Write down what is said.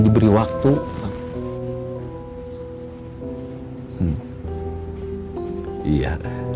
diberi waktu iya